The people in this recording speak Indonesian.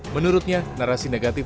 menurutnya narasi negatif